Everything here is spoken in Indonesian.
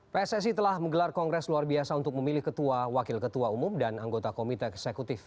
pssi telah menggelar kongres luar biasa untuk memilih ketua wakil ketua umum dan anggota komite eksekutif